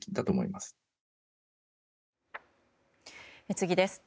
次です。